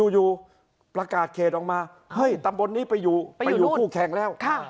อยู่ประกาศเขตออกมาเฮ้ยตำบลนี้ไปอยู่คู่แข่งแล้ว